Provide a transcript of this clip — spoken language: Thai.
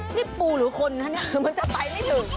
นี่ปูหรือคนนั้นมันจะไปไม่ถึง